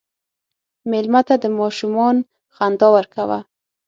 مېلمه ته د ماشومان خندا ورکوه.